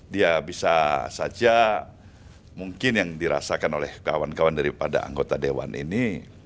dia bisa saja mungkin yang dirasakan oleh kawan kawan daripada anggota dewan ini